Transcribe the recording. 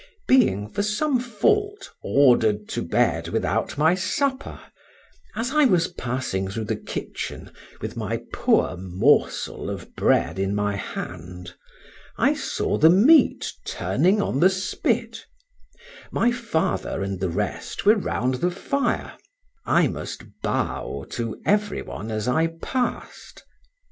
Being for some fault ordered to bed without my supper, as I was passing through the kitchen, with my poor morsel of bread in my hand, I saw the meat turning on the spit; my father and the rest were round the fire; I must bow to every one as I passed.